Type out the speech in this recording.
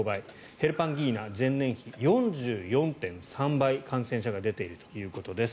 ヘルパンギーナ前年比で４４．３倍感染者が出ているということです。